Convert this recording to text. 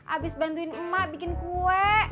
abis bantuin emak bikin kue